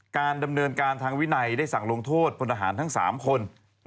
การดำเนินการทางวินัยได้สั่งลงโทษพลทหารทั้ง๓คน